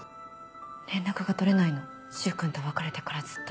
連絡が取れないの柊君と別れてからずっと。